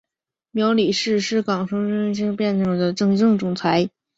苗礼士是港龙航空创办人及首任行政总裁。